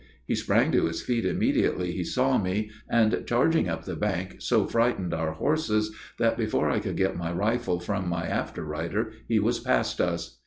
He sprang to his feet immediately he saw me, and, charging up the bank, so frightened our horses, that before I could get my rifle from my after rider he was past us.